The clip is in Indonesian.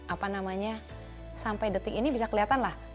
apa namanya sampai detik ini bisa kelihatan lah